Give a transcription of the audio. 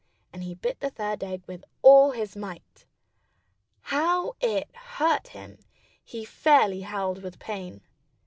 And he bit the third egg with all his might. How it hurt him! He fairly howled with pain.